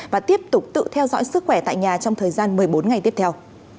và tiếp tục tự theo dõi sức khỏe tại nhà trong thời gian một mươi bốn ngày tiếp theo